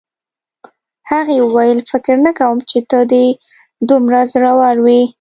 هغې وویل فکر نه کوم چې ته دې دومره زړور وې